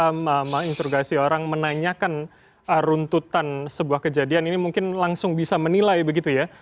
jpu yang sudah biasa menginterrogasi orang menanyakan runtutan sebuah kejadian ini mungkin langsung bisa menilai begitu ya